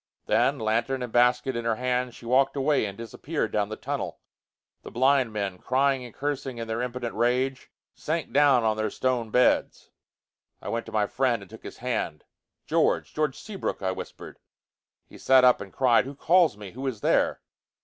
Then, lantern and basket in her hands, she walked away and disappeared down the tunnel. The blind men, crying and cursing in their impotent rage, sank down on their stone beds. I went to my friend, and took his hand. "George! George Seabrook!" I whispered. He sat up and cried, "Who calls me? Who is there?"